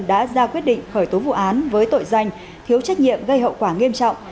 đã ra quyết định khởi tố vụ án với tội danh thiếu trách nhiệm gây hậu quả nghiêm trọng